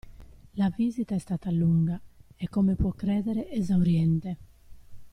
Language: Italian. La visita è stata lunga e, come può credere, esauriente.